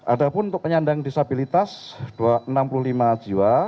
ada pun untuk penyandang disabilitas enam puluh lima jiwa